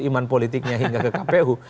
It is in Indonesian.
iman politiknya hingga ke kpu